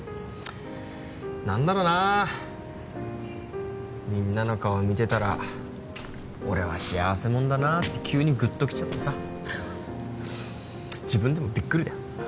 何だろなーみんなの顔見てたら俺は幸せ者だなーって急にグッときちゃってさ自分でもビックリだよ